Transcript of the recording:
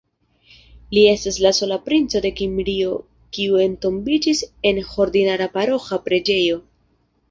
Li estas la sola princo de Kimrio kiu entombiĝis en ordinara paroĥa preĝejo.